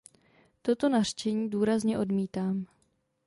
Toto nařčení důrazně odmítám.